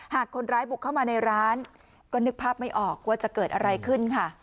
หากคนร้ายบุกเข้ามาในร้านก็นึกภาพไม่ออกว่าจะเกิดอะไรขึ้นค่ะ